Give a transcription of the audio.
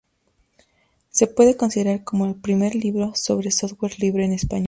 Se puede considerar como el primer libro sobre software libre en español.